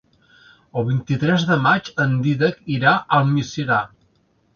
El vint-i-tres de maig en Dídac irà a Almiserà.